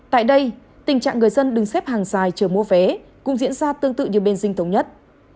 tại đây tình trạng người dân đứng xếp hàng dài chờ mua vé cũng diễn ra tương tự như bên dinh thống nhất